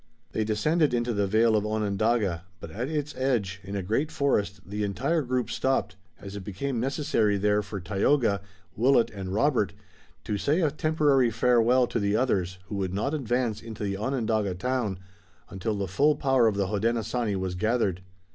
They descended into the vale of Onondaga, but at its edge, in a great forest, the entire group stopped, as it became necessary there for Tayoga, Willet and Robert to say a temporary farewell to the others who would not advance into the Onondaga town until the full power of the Hodenosaunee was gathered.